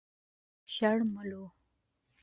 شر ملوه.